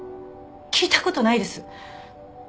聞いたことないです。